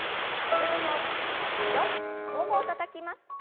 弾みをつけて２度ももをたたきます。